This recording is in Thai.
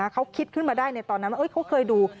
เขาคิดขึ้นมาได้ในตอนนั้นว่าเขาเคยดู